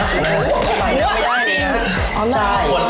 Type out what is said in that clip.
ไม่ดูดออกจริง